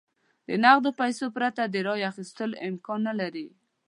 د نغدو پیسو پرته د رایو اخیستل امکان نه لري.